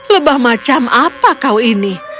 lebah macam apa kau ini